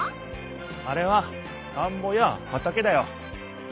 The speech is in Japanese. あれは田んぼや畑だよ。